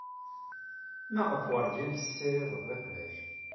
Maɣef werjin tessirided iqbac?